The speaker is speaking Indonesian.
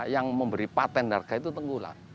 yang memberi patent harga itu tengkulak